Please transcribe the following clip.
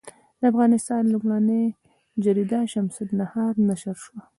د افغانستان لومړنۍ جریده شمس النهار نشر شوه.